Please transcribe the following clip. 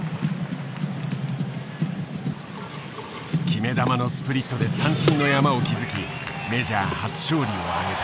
決め球のスプリットで三振の山を築きメジャー初勝利を挙げた。